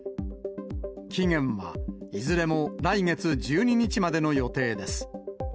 期限はいずれも来月１２日までの予定です。